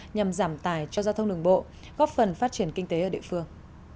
nhằm giảm tài cho giao thông đường bộ góp phần phát triển kinh tế ở địa phương